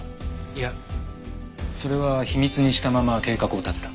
いやそれは秘密にしたまま計画を立てた。